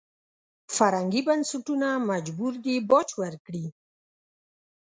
فرهنګي بنسټونه مجبور دي باج ورکړي.